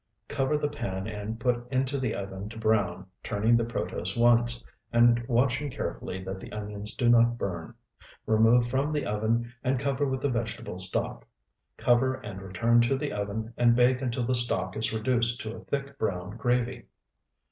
Cover the pan and put into the oven to brown, turning the protose once, and watching carefully that the onions do not burn. Remove from the oven and cover with the vegetable stock. Cover and return to the oven, and bake until the stock is reduced to a thick, brown gravy.